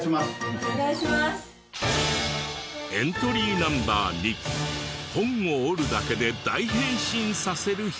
エントリーナンバー２本を折るだけで大変身させる人。